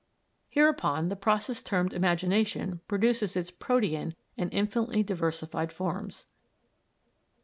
Hereupon, the process termed imagination produces its protean and infinitely diversified forms.